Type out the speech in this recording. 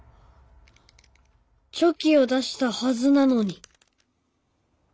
「チョキ」を出したはずなのに！